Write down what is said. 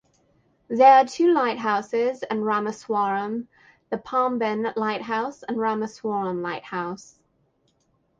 There are two lighthouses in Rameswaram, the Pamban lighthouse and Rameswaram lighthouse.